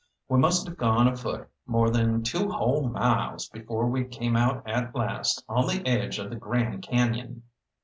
We must have gone afoot more than two whole miles before we came out at last on the edge of the Grand Cañon.